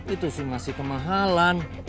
itu sih masih kemahalan